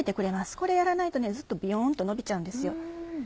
これやらないとずっとビヨンとのびちゃうんですよ。